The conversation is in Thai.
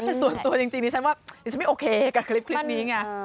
แต่ส่วนตัวจริงดิฉันว่าดิฉันไม่โอเคกับคลิปนี้ไง